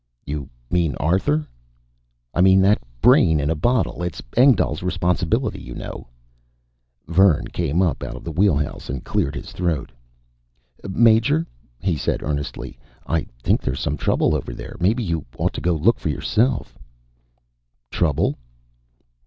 "You mean Arthur?" "I mean that brain in a bottle. It's Engdahl's responsibility, you know!" Vern came up out of the wheelhouse and cleared his throat. "Major," he said earnestly, "I think there's some trouble over there. Maybe you ought to go look for yourself." "Trouble?"